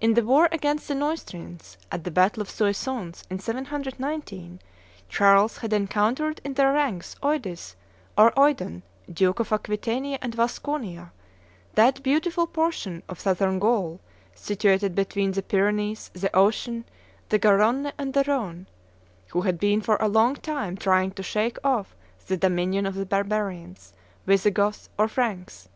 In the war against the Neustrians, at the battle of Soissons in 719, Charles had encountered in their ranks Eudes or Eudon, Duke of Aquitania and Vasconia, that beautiful portion of Southern Gaul situated between the Pyrenees, the Ocean, the Garonne, and the Rhone, who had been for a long time trying to shake off the dominion of the barbarians, Visigoths or Franks.